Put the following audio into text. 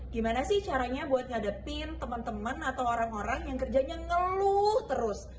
gimana sih caranya buat ngadepin teman teman atau orang orang yang kerjanya ngeluh terus